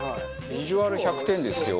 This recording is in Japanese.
ビジュアル１００点ですよ。